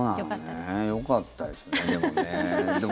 よかったですね。